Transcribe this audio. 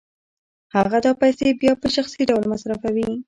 هغه دا پیسې بیا په شخصي ډول مصرفوي